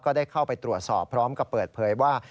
ได้เข้าไปตรวจสอบพร้อมกับเปิดเผยว่า